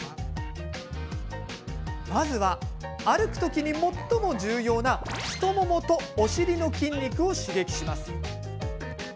まずは、歩く時に最も重要な太ももとお尻の筋肉を刺激します。